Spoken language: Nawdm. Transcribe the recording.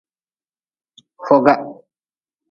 Foga.